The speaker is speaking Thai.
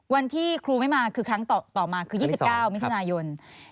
วันที่ครูไม่มาคือครั้งต่อมาคือ๒๙มิถุนายน